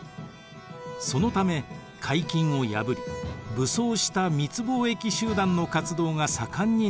そのため海禁を破り武装した密貿易集団の活動が盛んになりました。